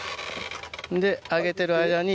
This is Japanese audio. で上げてる間に。